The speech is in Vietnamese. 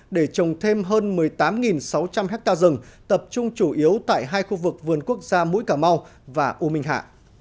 để trồng thêm hơn một mươi tám sáu trăm linh hectare rừng tập trung chủ yếu tại hai khu vực vườn quốc gia mũi cà mau và u minh hạ